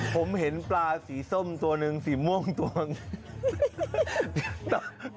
ผมเห็นปลาสีส้มตัวหนึ่งสีม่วงตัวหนึ่ง